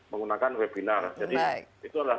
menggunakan webinar jadi itu adalah